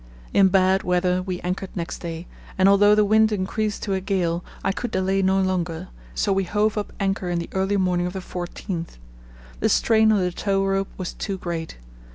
In bad weather we anchored next day, and although the wind increased to a gale I could delay no longer, so we hove up anchor in the early morning of the 14th. The strain on the tow rope was too great.